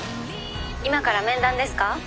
今から面談ですか？